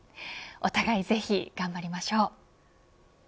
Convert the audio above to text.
お互いぜひ、頑張りましょう。